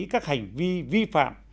các hành vi vi phạm